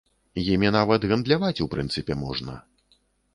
Імі нават гандляваць, у прынцыпе, можна.